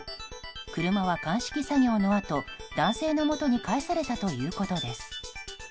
車は鑑識作業のあと男性のもとに返されたということです。